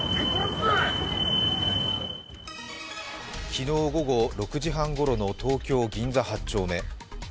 昨日午後６時半ごろの東京・銀座８丁目。